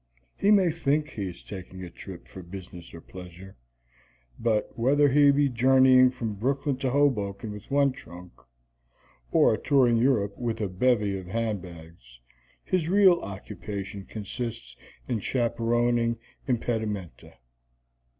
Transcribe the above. He may think he is taking a trip for business or pleasure, but, whether he be journeying from Brooklyn to Hoboken with one trunk, or touring Europe with a bevy of handbags, his real occupation consists in chaperoning impedimenta.